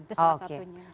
itu salah satunya